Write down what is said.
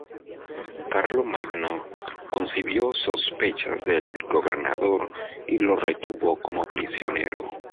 Carlomagno concibió sospechas del gobernador y lo retuvo como prisionero.